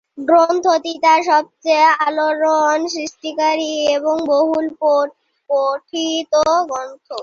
গ্রন্থটি তার সবচেয়ে আলোড়ন সৃষ্টিকারী এবং বহুল পঠিত গ্রন্থ।